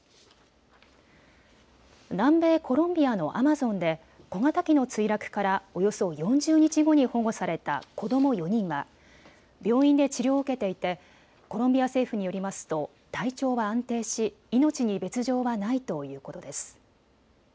南米コロンビアのアマゾンで小型機の墜落からおよそ４０日後に保護された子ども４人は病院で治療を受けていてコロンビア政府によりますと体調は安定し命に別状はないということです。